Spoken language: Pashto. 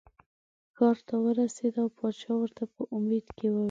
ښار ته ورسېده پاچا ورته په امید کې و.